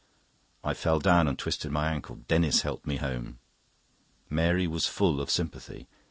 "I fell down and twisted my ankle. Denis helped me home." Mary was full of sympathy.